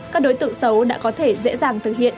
các đối tượng xấu đã có thể dễ dàng thực hiện